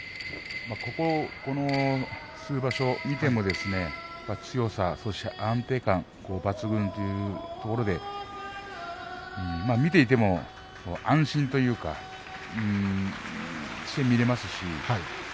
ここ数場所を見ても強さ、安定感、抜群というところで見ていても安心という感じがします。